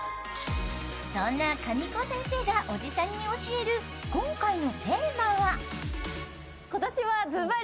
そんな、かみこ先生がおじさんに教える今回のテーマは今年はズバリ